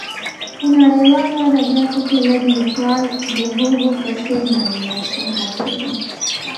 په نړیوالو ادبیاتو کې لږ لیکوال د هوګو په څېر نړیوال شهرت لري.